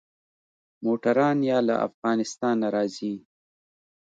موټران يا له افغانستانه راځي.